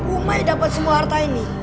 umai dapat semua harta ini